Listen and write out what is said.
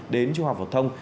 đến trung học vật thông